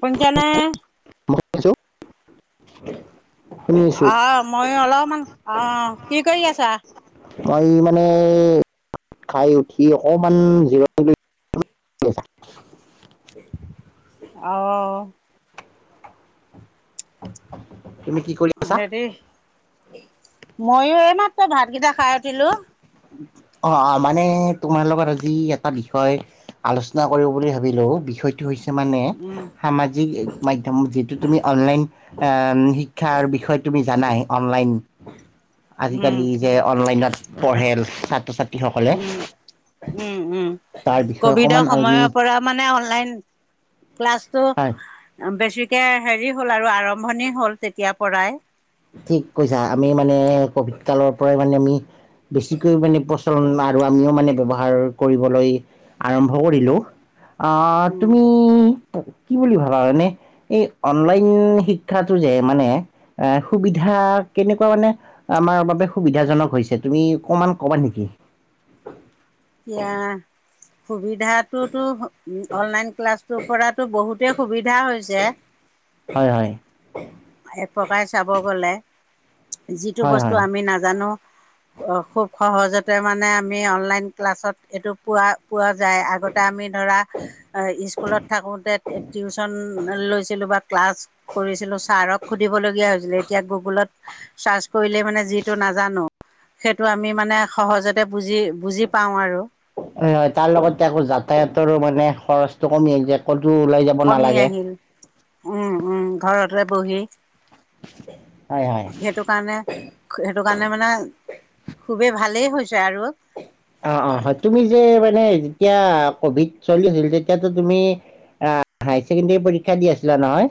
কোন য ন ইছো আহ মই অলপমান আহ কি কৰি আছা মই মানে খাই উঠি অকমান জিৰণ আহ [inaudible] তুমি কি কৰি আছা মই এইমাত্ৰ ভাতকেইটা খাই উঠিলো অ মানে তোমাৰ লগত আজি এটা বিষয় আলোচনা কৰিব বুলি ভাবিলো বিষয়টো হৈছে স মানে উম, সামাজিক মাধ্যম যিটো তুমি অনলাইন শিক্ষাৰ বিষয়ে তুমি জানাই অনলাইন উম, আজিকালি যে অনলাইনত ছাত্ৰ-ছাত্ৰী উম, উম, উম, তাৰ বিষয়ে অকণমান কভিডৰ আমি সময়ৰ পৰা মানে অনলাইন ক্লছটো হয় বেছি কে হেৰি হ'ল আৰু আৰম্ভণি হ'ল তেতিয়াৰ পৰাই। ঠিক কৈছা আমি মানে ক'ভিড কালৰ পৰাই মানে আমি বেছিকৈ মানে প্ৰচলন আৰু আমিও মানে ব্যৱহাৰ কৰিবলৈ আৰম্ভ কৰিলোঁ। আ, উম, তুমি কি বুলি ভাবা এনে এই অনলাইন শিক্ষাটো যে মানে এ সুবিধা কেনেক কুৱা মানে আমাৰ বাবে সুবিধাজনক হৈছে তুমি অকমান ক'বা নেকি। এয়া সুবিধটোতো অনলাইন ক্লাছটোৰ পৰাতো বহুতে সুবিধা হৈছে। হয়, হয়। পকাই চাব গ'লে যিটো হয় বস্তু হয় আমি নাজানো খুব সহজতে মানে আমি অনলাইন ক্লাছত এইটো পোৱা, পোৱা যায়, আগতে আমি ধৰা স্কুলত থাকোঁতে টিউচন লৈছিলোঁ বা ক্লাছ কৰিছিলোঁ ছাৰক সুধিবলগীয়া হৈছিল এতিয়া গুগলত চাৰ্চ কৰিলেই মানে যিটো নাজানো সেইটো আমি মানে সহজতে বুজি বুজি পাওঁ আৰু হয়, হয় তাৰ লগতে আকৌ যাতায়াতৰো মানে খৰচটো কমি আহি যায়। কমি আহিল উম, উম, ঘৰত বহি হয় হয়। সেইটো কাৰণে, সেইটো কাৰণে মানে খুবেই ভালেই হৈছে আৰু অ', অ', হয় তুমি যে মানে যেতিয়া ক'ভিড চলি আছিল তেতিয়া তুমি হাইছেকেণ্ডাৰী পৰীক্ষা দি আছিলা নহয়।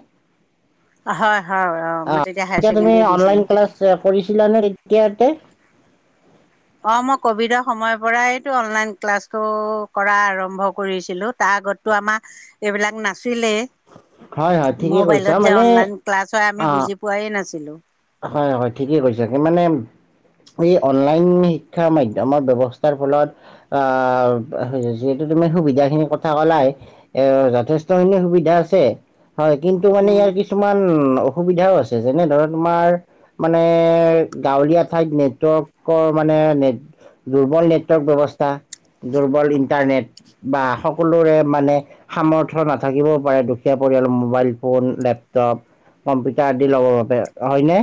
হয়, হয়, অ', ম এতিয়া তুমি অনলাইন ক্লাছ কৰিছিলা নে তেতিয়াতে? অ', মই ক'ভিডৰ সময়ৰ পৰাইতো অনলাইন ক্লাছটো কৰা আৰম্ভ কৰিছিলো তাৰ আগতো আমাৰ এইবিলাক নাছিলেই। হয় হয় ঠিকে কৈছা মোবাইলত যে মানে অনলাইন ক্লাছ হয় আমি অ বুজি পোৱাই নাছিলো। হয়, হয় ঠিকে কৈছা মানে এই অনলাইন শিক্ষা মাধ্যমৰ ব্যৱস্থাৰ ফলত আ, যিহেতু সুবিধাখিনি কথা ক'লাই এ, যথেষ্টখিনি সুবিধা আছে হয় কিন্তু মানে ইয়াৰ কিছুমান অসুবিধাও আছে ছে যেনে ধৰণ তোমাৰ মানে গাঁৱলীয়া ঠাইত নেটৱৰ্কৰ মানে নেট দুৰ্বল নেটৱৰ্ক ব্যৱস্থা দুৰ্বল ইণ্টাৰনেট বা সকলোৰে মানে সামৰ্থয় নাথাকিবও পাৰে দুখীয়া পৰিয়ালৰ মোবাইল ফোন লেপটপ কম্পিউটাৰ আদি ল'বৰ বাবে হয়নে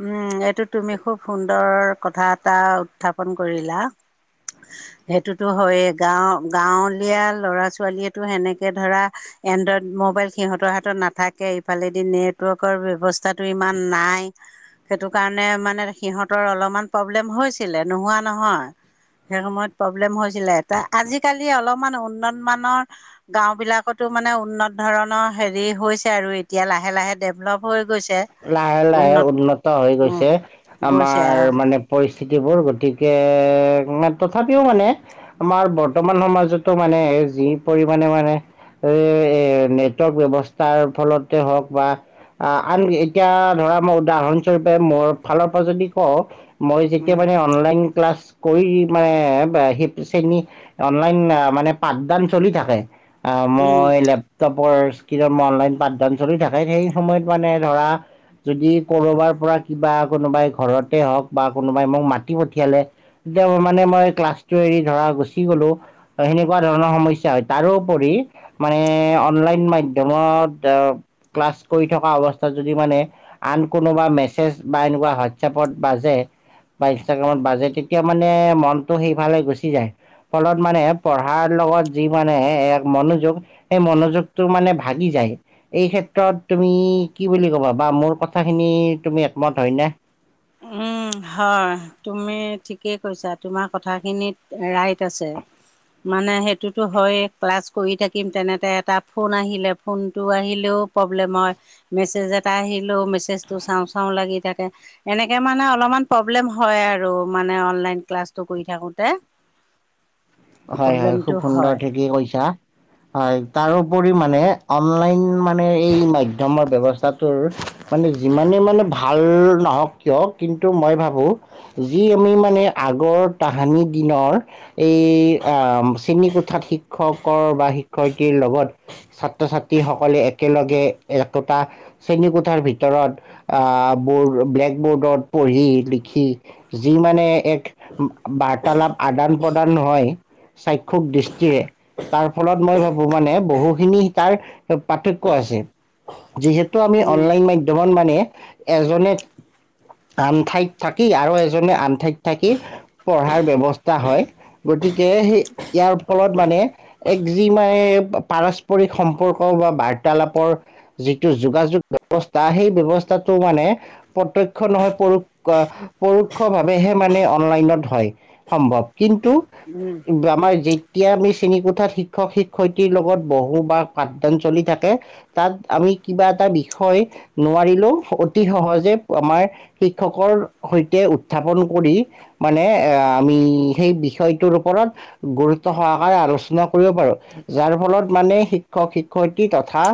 উম এ এইটো তুমি খুব সুন্দৰ কথা এটা উত্থাপন কৰিলা সেইটোতো হয়ে গাও গাঁৱলীয়া লৰা ছোৱালীয়েতো সেনেকে ধৰা এনড্ৰইড ম'বাইল সিহঁতৰ হাতত নাথাকে ইফালেদি নেটৱৰ্কৰ ব্যৱস্থাটো ইমান নাই সেইটো কাৰণে মানে সিহতৰ অলপমান প্ৰব্লেম হৈছিলে নোহোৱা নহয় সেই সময়ত প্ৰব্লেম হৈছিলে আজিকালি অলপমান উন্নত মানৰ গাওঁ বিলাকতো মানে উন্নত ধৰণৰ হেৰি হৈছে আৰু এতিয়া লাহে লাহে ডেভলপ হৈ গৈছে লাহে লাহে উন্নত হৈ উম গৈছে গৈছে আৰু আমাৰ মানে পৰি স্থিতিবোৰ গতিকে তথাপিও মানে আমাৰ বৰ্তমান সমাজতো মানে যি পৰিমাণে মানে এ এ নেটৱৰ্ক ব্যৱস্থাৰ ফলতে হওক বা আন এতিয়া ধৰা মই উদাহৰণস্বৰূপে মোৰ ফালৰ পৰা যদি কওঁ মই যেতিয়া উম মানে অনলাইন ক্লাছ কৰি মানে সেই শ্ৰেণী অনলাইন মানে পাঠদান চলি থাকে আ উম মই লেপটপ স্কেনত অনলাইন পাঠদান চলি থাকে সেই সময়ত মানে ধৰা যদি কৰবাৰ পৰা কিবা কোনোবাই ঘৰতে হওক বা কোনোবাই মোক মাতি পঠিয়ালে তেতিয়া মানে মই ক্লাছটো এৰি ধৰা গুচি গলো সেনেকুৱা ধৰণৰ সমস্যা হয় তাৰোপৰি মানে অনলাইন মাধ্যমত আহ ক্লাছ কৰি থকা অৱস্থাত যদি মানে আন কোনোবা মেছেজ বা এনেকুৱা হোৱাটছএপত বাজে বা ইনষ্টাগ্ৰামত বাজে তেতিয়া মানে মনতটো সেইফালে গুচি যায় ফলত মানে পঢ়াৰ লগত যি মানে এক মনোযোগ সেই মনোযোগটো মানে ভাগি যায় এই ক্ষেত্ৰত তুমি কি বুলি ক'বা বা মোৰ কথাখিনি তুমি একমত হয় ন উম হয় তুমি ঠিকেই কৈছা তোমাৰ কথাখিনিত ৰাইট আছে মানে সেইটোতো হয় ক্লাছ কৰি থাকিম তেনেতে এটা ফোন আহিলে ফোনটো আহিলেও প্ৰব্লেম হয় মেছেজ এটা আহিলেও মেছেজটো চাওঁ চাওঁ লাগি থাকে এনেকে মানে অলপমান প্ৰব্লেম হয় আৰু মানে অনলাইন ক্লাছটো কৰি থাকোতে হয় হয় খুব সুন্দৰ ঠিকেই কৈছা হয় তাৰোপৰি মানে অনলাইন মানে এই মাধ্যমৰ ব্যৱস্থাটোৰ মানে যিমানেই মানে ভাল নহওক কিয় কিন্তু মই ভাবোঁ যি আমি মানে আগৰ তাহানি দিনৰ এই শ্ৰেণীকোঠাত শিক্ষকৰ বা শিক্ষয়িত্ৰীৰ লগত ছাত্ৰ ছাত্ৰীসকলে একেলগে একোটা শ্ৰেণীকোঠাৰ ভিতৰত বৰ্ড ব্লেক বোৰ্ডত পঢ়ি লিখি যি মানে এক বাৰ্তালাপ আদান প্ৰদান হয় সাক্ষুক দৃষ্টিৰে তাৰ ফলত মই ভাবো মানে বহুখিনি তাৰ পাৰ্থক্য আছে যিহেতু আমি উম অনলাইন মাধ্যমত মানে এজনে আন ঠাইত থাকি আৰু এজনে আন ঠাইত থাকি পঢ়াৰ ব্যৱস্থা হয় গতিকে স ইয়াৰ ফলত মানে এক যি মানে পাৰস্পৰিক সম্পৰ্ক বা বাৰ্তালাপৰ যিটো যোগাযোগ ব্যৱস্থা সেই ব্যৱস্থাটো মানে প্ৰত্যশয় নহয় পৰো পৰোক্ষভাৱেহে মানে অনলাইনত হয় সম্ভৱ কিন্তু উম আমাৰ যি এতিয়া আমি শ্ৰেণীকোঠাত শিক্ষক শিক্ষয়িত্ৰীৰ লগত বহো বা পাঠদান চলি থাকে তাত আমি কিবা এটা বিষয় নোৱাৰিলেও অতি সহজে আমাৰ শিক্ষকৰ সৈতে উত্থাপন কৰি মানে আহ আমি সেই বিষয়টোৰ ওপৰত গুৰুত্ব সহকাৰে আলোচনা কৰিব পাৰো যাৰ ফলত মানে শিক্ষক শিক্ষয়িত্ৰী তথা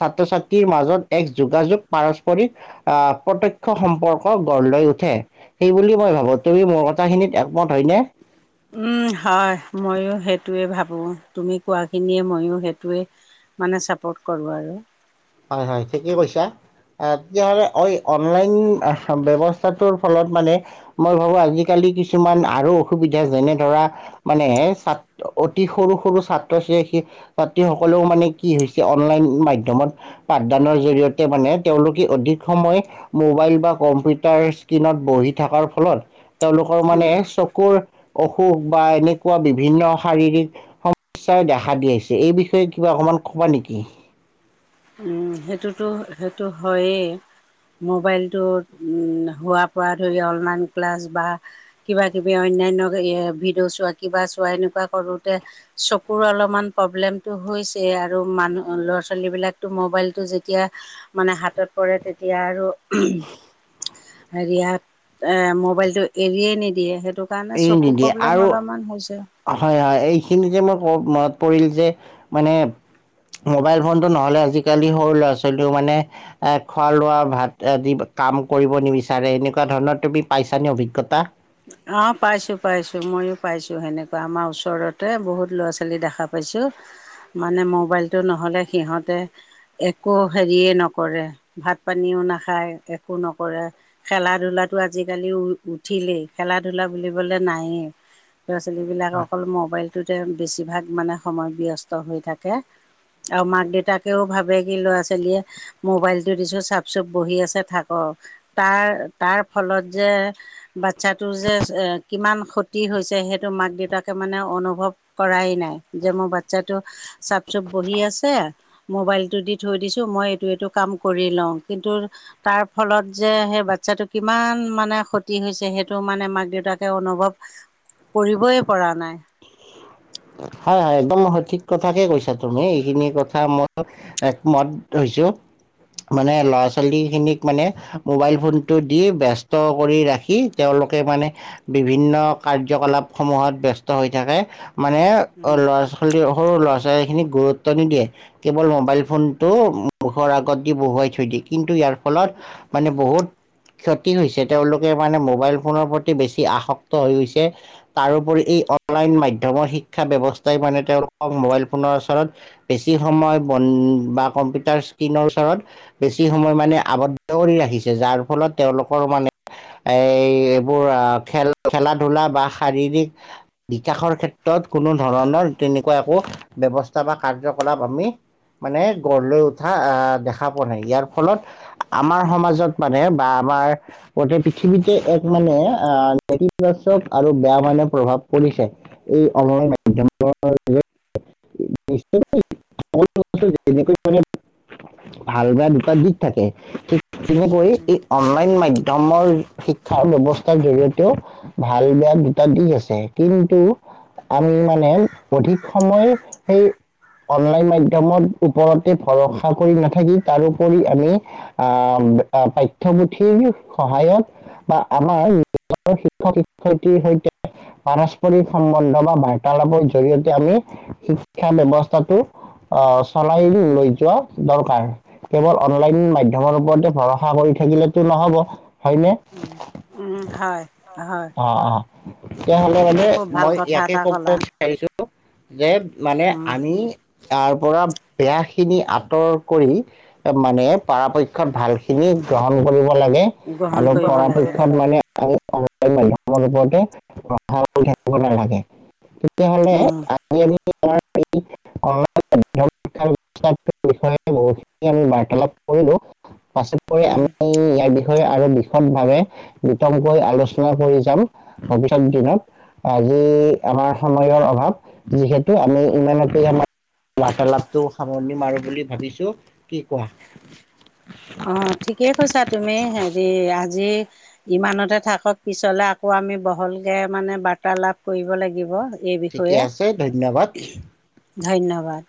ছাত্ৰ ছাত্ৰীৰ মাজত এক যোগাযোগ পাৰস্পৰিক আহ প্ৰত্ক্ষ সম্পৰ্ক গঢ় লৈ উঠে সেইব মই ভাবো তুমি মোৰ কথাখিনিত একমত হয়নে উম হয় ময়ো সেইটোৱে ভাবো তুমি কোৱাখিনিয়ে ময়ো সেইটোৱে মানে চাপৰ্ট কৰোঁ আৰু হয় হয় ঠিকেই কৈছা আহ তেতিয়াহলে অঐ অনলাইন ব্য্ৱস্থাটোৰ ফলত মানে মই ভাবো আজিকালি কিছুমান আৰু অসুবিধা যেনে ধৰা মানে অতি সৰু সৰু ছাত্ৰ ছ ছাত্ৰীসকলেও মানে কি হৈছে অনলাইন মাধ্যম পাঠদানৰ জৰিয়তে মানে তেওঁলোকে অধিক সময় মোবাইল বা কম্পিউটাৰ স্ক্ৰীণত বহি থকাৰ ফলত তেওঁলোকৰ মানে উম চকুৰ অসুখ বা এনেকুৱা বিভিন্ন শাৰীৰিক সমস্যাই দেখা দি আহিছে এই বিষয়ে কিবা অকমান কবা নেকি উম সেইটোতো সেইটো হয়েই মোবাইলটো হোৱাৰ পৰা ধৰি অনলাইন ক্লাছ বা কিবা কিবি অন্যান্য ভিডিঅ' চোৱা কিবা চোৱা এনেকুৱা কৰোঁতে চকুৰ অলপমান প্ৰব্লেমটো হৈছেই আৰু মানুহ ল'ৰা ছোৱালীবিলাকতো মোবাইল যেতিয়া মানে হাতত পৰে তেতিয়া আৰু হেৰিয়াত এ মোবাইলটো এৰিয়ে নিদিয়ে স সেইটো কাৰণে এই চকু নিদিয়ে প্ৰব্লেম আৰু অলপমান হৈছে হয় হয় এইখিনি যে মই ক ম পৰিল যে মানে মোবাইল ফোনতটো নহ'লে আজিকালি সৰু ল'ৰা ছোৱালীও মানে এ খোৱা লোৱা ভাত আদি কাম কৰিব নিবিচাৰে এনেকুৱা ধৰণৰ তুমি পাইছা নিে অভিজ্ঞতা অ'পাইছো, পাইছো ময়ো পাইছো সেনেকুৱা আমাৰ ওচৰতে বহুত ল'ৰা ছোৱালী দেখা পাইছো মানে মোবাইলটো নহ'লে সিহঁতে একো হেৰিয়ে নকৰে ভাত পানীও নাখায় একো নকৰে খেলা ধূলাটো আজিকালি উঠিলেই। খেলা ধূলা বুলিবলৈ নায়েই। ল'ৰা ছোৱালীবিলাক হয় অকল মোবাইলটোতে বেছিভাগ মানে সময় ব্যস্ত হৈ থাকে। আৰু মাক দেউতাকেও ভাবে কি ল'ৰা ছোৱালীয়ে মোবাইলটো দিছো চাপ চুপ বহি আছে থাকক তাৰ তাৰ ফলত যে বাচ্ছাটো যে কিমান ক্ষতি হৈছে সেইটো মাক দেউতাকে মানে অনুভৱ কৰাই নাই। যে মোৰ বাচ্ছাটো চাপ চুপ বহি আছে মোবাইলটো দি থৈ দিছোঁ মই এইটো এইটো কাম কৰি লওঁ কিন্তু তাৰ ফলত যে সেই বাচ্ছাটো কিমান মানে ক্ষতি হৈছে, সেই টো মানে মাক দেউতাকে অনুভৱ কৰিবই পৰা নাই। হয় হয় একদম সঠিক কথাকে কৈছা তুমি এইখিনি কথা মোৰ একমত হৈছো। মানে ল'ৰা ছোৱালী খিনিক মানে মোবাইল ফোনটো দি ব্যস্ত কৰি ৰাখি তেওঁলোকে মানে বিভিন্ন কাৰ্যকলাপ সমূহত ব্যস্ত হৈ থাকে মানে অ' উম ল'ৰা ছোৱালী সৰু ল'ৰা ছ খিনিক গুৰুত্ব নিদিয়ে, কেৱল মোবাইল ফোনটো মুখৰ আগত দি বহুৱাই থৈ দিয়ে কিন্তু ইয়াৰ ফলত মানে বহুত ক্ষতি হৈছে তেওঁলোকে মানে মোবাইল ফোনৰ প্ৰতি বেছি আসক্ত হৈ গৈছে তাৰোপৰি এই অনলাইন মাধ্যমৰ শ শিক্ষা ব্যৱস্থাই মানে তেওঁলোকক মোবাইল ফোনৰ ওচৰত বেছি সময় বন বা কম্পিউটাৰ স্ক্ৰীিনৰ ওচৰত বেছি সময় মানে আৱদ্ধ কৰি ৰাখিছে যাৰ ফলত তেওঁলোকৰ মানে এই এইবোৰ খেল, খেলা ধূলা বা শাৰীৰিক বিকাশৰ ক্ষেত্ৰত কোনো ধৰণৰ তেনেকুৱা একো ব্যৱস্থা বা কাৰ্যকলাপ আমি মানে গঢ় লৈ উঠা আ' দেখা পোৱা নাই ইয়াৰ ফলত আমাৰ সমাজত মানে বা আমাৰ গোটেই পৃথিৱীতে এক মানে আ' নেতিবাচক আৰু বেয়া মানে প্ৰভাৱ পৰিছে। এই [unintelligible] ভাল বেয়া দুটা দিশ থাকে। তেনেকৈ, এই অনলাইন মাধয়ম দাঙৰ শিক্ষাৰ ব্যৱস্থাৰ জৰিয়তেও ভাল বেয়া দুটা দিশ আছে। কিন্তু আমি মানে অধিক সময় সেই অনলাইন মাধ্য়মৰ ওপৰতে ভৰসা কৰি নাথাকি তাৰোপৰি আমি আহ পাঠ্য়পুথিৰ সহায়ত বা আমাৰ যি শিক্ষক- শিক্ষয়িত্ৰীৰ সৈতে পাৰস্পৰিক সম্বন্ধ। বাৰ্তালাপৰ জৰিয়তে আমি শিক্ষা ব্য্য়ৱস্থাটো আ' চলাই লৈ যোৱা দৰকাৰ। কেৱল অনলাইন মাধ্যম ৰ ওপৰতে ভৰসা কৰি থাকিলেতো নহব। উম্ উম হয়। হয় অ'অ'। [inaudible] তেতিয়াহ'লে তুমি মানে খুব ভাল মই কথা ইয়াকে এটা ক'ব ক'লা বিচাৰিছো যে, মানে উম আমি তাৰ পৰা বেয়া খিনি আঁতৰ কৰি মানে পৰাপক্ষত ভাল খিনি গ্ৰহণ কৰিব। লাগে। গ্ৰহণ আৰু কৰিব লাগে পৰাপক্ষত মানে [unintelligible] [unintelligible] তেতিয়াহ'লে উম আজি [unintelligible] আমি বাৰ্তালাপ কৰিলো। পাছত উম আমি ইয়াৰ বিষয় আৰু বিশদ ভাৱে বিতমকৈ আলোচনা কৰি যাম ভৱিষ্যত দিনত, আজি আমাৰ সময়ৰ অভাৱ যিহেতু আমি ইমানতে আমাৰ বাৰ্তালাপটো সামৰণি মাৰো বুলি ভাবিছো। কি কোৱা? অ ঠিকেই কৈছা তুমি হেৰি আজি ইমানতে থাকক পিছলে আকৌ আমি বহলকে মানে বাৰ্তালাাপ কৰিব লাগিব। এই ঠিকে বিষয়ে আছে ধন্যবাদ। ধন্যবাদ।